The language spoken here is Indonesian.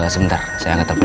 sebentar saya ngetepat dulu